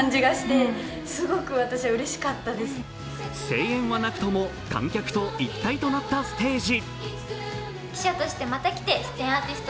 声援はなくとも観客と一体となったステージ。